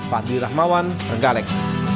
fadli rahmawan tenggalek